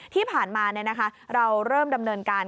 ที่ผ่านมาเราเริ่มดำเนินการ